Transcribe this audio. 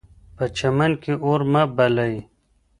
په چمن کې اور مه بلئ.